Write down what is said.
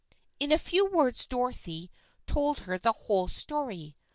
In a few words Dorothy told her the whole story.